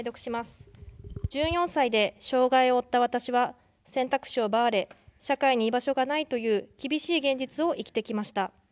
１４歳で障害を負った私は、選択肢を奪われ、社会に居場所がないという厳しい現実を生きてきました。